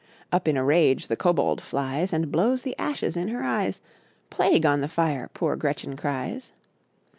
^ Up in a rage the Kobold fl ies , And blows the Ashes in her eyes ; ^''Plague on the Ftre/^poor Gretchen crieS